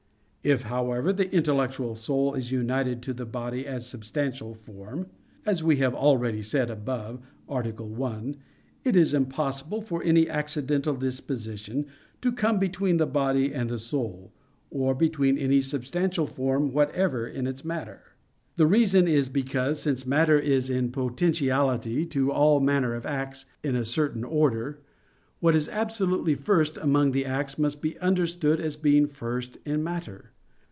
If, however, the intellectual soul is united to the body as the substantial form, as we have already said above (A. 1), it is impossible for any accidental disposition to come between the body and the soul, or between any substantial form whatever and its matter. The reason is because since matter is in potentiality to all manner of acts in a certain order, what is absolutely first among the acts must be understood as being first in matter.